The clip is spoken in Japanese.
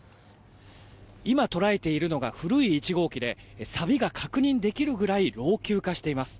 今、捉えているのが古い１号機でさびが確認できるぐらい老朽化しています。